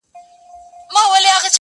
o اوربشي څه په مځکه، څه په جوال!